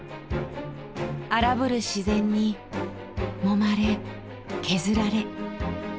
荒ぶる自然にもまれ削られ。